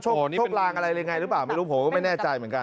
โชคลังอะไรอะไรอะไรหรือเปล่ารู้ยังไม่แน่ใจเหมือนกัน